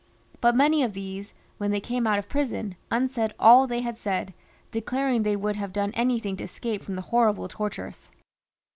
But many of these, when they came out of prison, unsaid all they had said, declaring they would have done anything to escape from the horrible tortures.